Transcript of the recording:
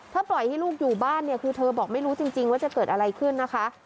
ถ้าปล่อยให้ลูกอยู่บ้านเนี่ยคือเธอบอกไม่รู้จริงว่าจะเกิดอะไรขึ้นนะคะ